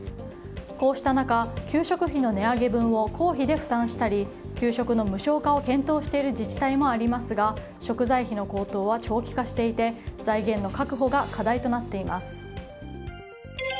こうした中、給食費の値上げ分を公費で負担したり給食の無償化を検討している自治体もありますが食材費の高騰は長期化していて財源の確保が課題となっています。